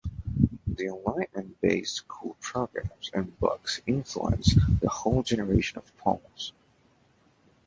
The Enlightenment-based school programmes and books influenced the whole generation of Poles.